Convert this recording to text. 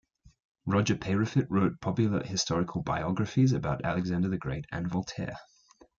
Roger Peyrefitte wrote popular historical biographies about Alexander the Great and Voltaire.